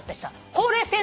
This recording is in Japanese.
ほうれい線？